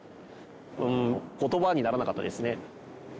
うん言葉にならなかったですね。